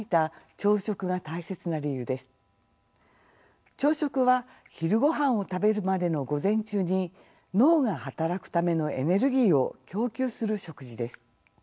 朝食は昼ごはんを食べるまでの午前中に脳が働くためのエネルギーを供給する食事です。